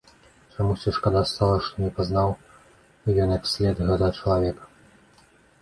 Чамусьці шкода стала, што не пазнаў ён як след гэтага чалавека.